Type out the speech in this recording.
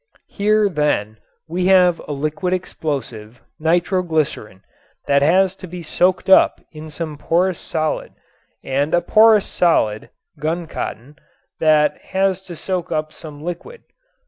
Here, then, we have a liquid explosive, nitroglycerin, that has to be soaked up in some porous solid, and a porous solid, guncotton, that has to soak up some liquid.